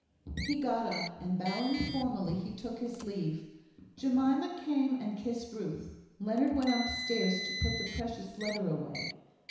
He got up, and bowing formally, he took his leave. Jemima came and kissed Ruth. Leonard went upstairs to put the precious letter away.